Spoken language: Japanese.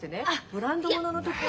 ブランド物の時計を。